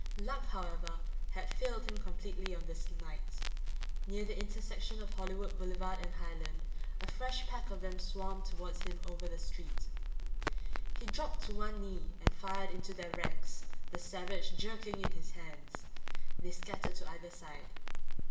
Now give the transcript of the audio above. Luck, however, had failed him completely on this night. Near the intersection of Hollywood Boulevard and Highland, a fresh pack of them swarmed toward him over the street. He dropped to one knee and fired into their ranks, the Savage jerking in his hands. They scattered to either side.